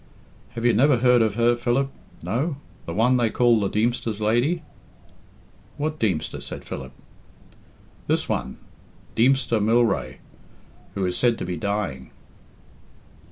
"Have you never heard of her, Philip? No? The one they called the Deemster's lady?" "What Deemster?" said Philip. "This one, Deemster Mylrea, who is said to be dying."